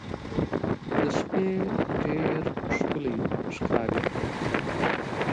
د شپې ډېر ښکلی ښکاري.